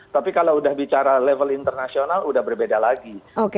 tapi kalau sudah bicara level internasional sudah berbeda lagi